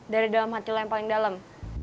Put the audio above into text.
dari dalam hati lo yang paling dalam